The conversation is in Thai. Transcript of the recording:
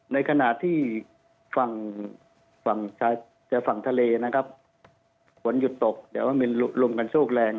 ในขณะที่ฝั่งทะเลนะครับฝนหยุดตกแต่ว่ามีลมกันโชคแรง